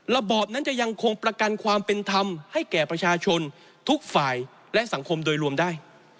ระบอบนั้นจะยังคงประกันความเป็นธรรมให้แก่ประชาชนทุกฝ่ายและสังคมโดยรวมได้